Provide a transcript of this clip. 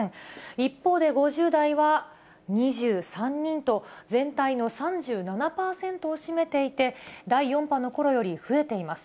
一方で、５０代は２３人と、全体の３７％を占めていて、第４波のころより増えています。